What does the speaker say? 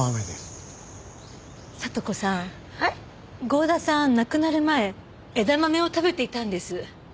郷田さん亡くなる前枝豆を食べていたんです。